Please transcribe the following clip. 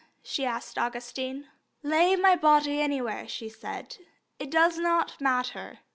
she asked Augustine. "Lay my body anywhere," she said; "it does not matter.